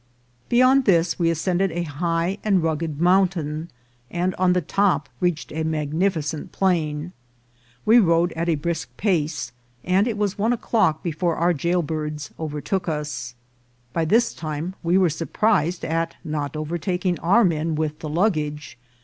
Beyond this we as cended a high and rugged mountain, and on the top reached a magnificent plain. We rode at a brisk pace, and it was one o'clock before our jailbirds overtook us. By this time we were surprised at not overtaking our men with the luggage.